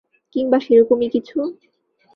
কিংবা সেরকমই কিছু?